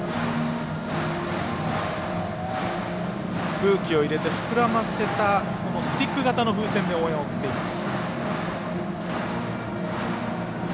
空気を入れて膨らませたスティック型の風船で応援を送っています。